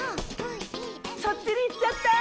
そっちに行っちゃった。